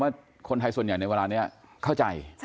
ว่าคนไทยส่วนใหญ่ในเวลานี้เข้าใจ